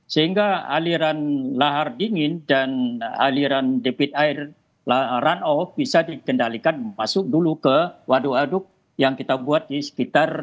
sehingga aliran lahar dingin dan aliran debit air run off bisa dikendalikan masuk dulu ke waduk waduk yang kita buat di sekitar